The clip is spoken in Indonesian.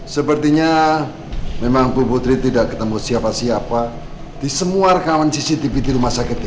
sepertinya memang bu putri tidak ketemu siapa siapa di semua rekaman cctv di rumah sakit ini